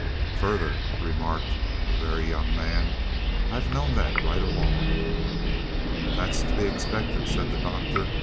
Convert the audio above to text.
"Further," remarked the Very Young Man. "I've known that right along." "That's to be expected," said the Doctor.